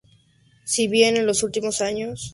Si bien, en los últimos años ha perdido habitantes.